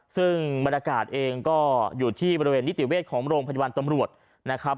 ซึ่งบรรยากาศเองก็อยู่ที่บริเวณนิติเวชของโรงพยาบาลตำรวจนะครับ